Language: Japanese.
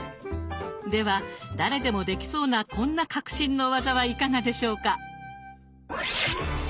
では誰でもできそうなこんな革新の技はいかがでしょうか？